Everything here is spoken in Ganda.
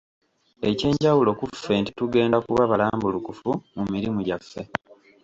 Ekyenjawulo kuffe nti tugenda kuba balambulukufu mu mirimu gyaffe.